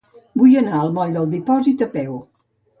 Vull anar al moll del Dipòsit a peu.